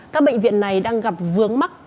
các bệnh viện này đang gặp vướng mắt